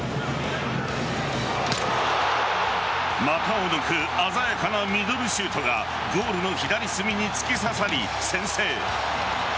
股を抜く鮮やかなミドルシュートがゴールの左隅に突き刺さり先制。